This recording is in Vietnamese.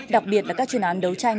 đặc biệt là các chuyên án đấu tranh